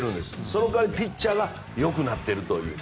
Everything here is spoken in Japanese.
その代わりピッチャーが良くなっているという。